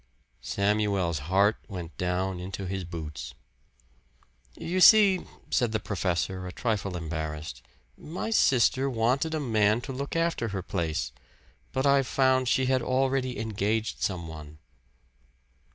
Samuel's heart went down into his boots. "You see," said the professor a trifle embarrassed, "my sister wanted a man to look after her place, but I found she had already engaged some one."